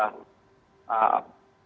nah kemudian kita juga mencari